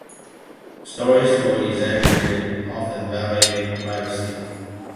Stories were exaggerated often violating privacy.